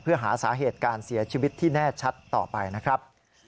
เพื่อหาสาเหตุการเสียชีวิตที่แน่ชัดต่อไปนะครับ